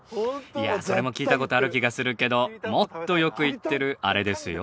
いやあそれも聞いた事ある気がするけどもっとよく言ってるあれですよ？